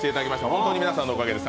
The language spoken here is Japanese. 本当に皆さんのおかげです。